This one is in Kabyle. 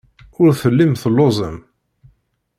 Ur tellim telluẓem.